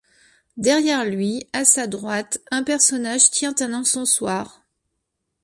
Derrière lui, à sa droite, un personnage tient un encensoir.